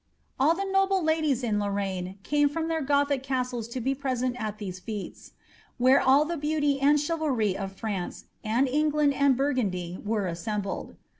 All the noble ladies in Lorraine came from their Gothic castles to be present at these /V/f«, where all the beauty and chivalry of France, and England, and Burgundy, were assembled.'